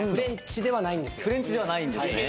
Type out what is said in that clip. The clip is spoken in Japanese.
フレンチではないんですね。